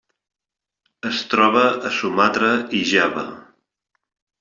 Es troba a Sumatra i Java.